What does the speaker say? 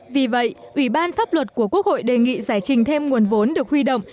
vì vậy ủy ban pháp luật của quốc hội đề nghị giải trình thêm nguồn vốn được huy động